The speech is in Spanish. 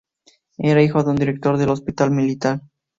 Era hijo de un director de hospital militar.